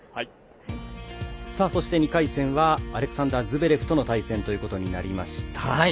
２回戦はアレクサンダー・ズベレフとの対戦ということになりました。